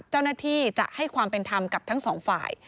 เจ้าหน้าที่จะให้ความเป็นธรรมกับทั้งสองฝ่าย